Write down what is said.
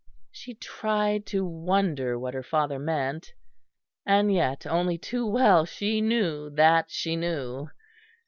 She tried to wonder what her father meant, and yet only too well she knew that she knew.